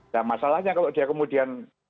nah masalahnya kalau dia kemudian